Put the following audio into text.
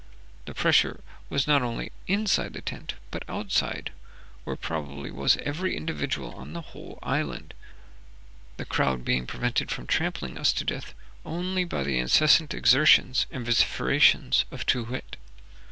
The pressure was not only inside the tent, but outside, where probably was every individual on the whole island, the crowd being prevented from trampling us to death only by the incessant exertions and vociferations of Too wit.